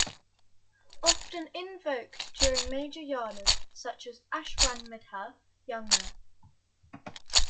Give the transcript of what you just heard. Often invoked during major yagnas such as Ashwamedha yagna.